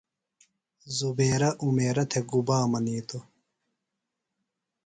زبیرہ عمیرہ تھےۡ گُبا منیتوۡ؟